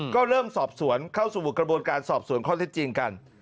ก็เริ่มสอบสวนเข้าสู่กระบวนการสอบสวนข้อเท็จจริงกัน